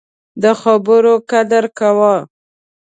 د خبرو قدر کوه